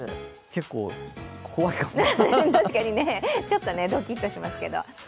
結構怖いかもちょっとドキッとしますけど。